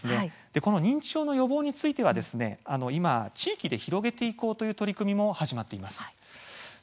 この認知症の予防については今、地域で広げていこうという取り組みが始まっています。